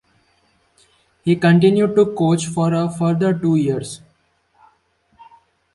He continued to coach for a further two years.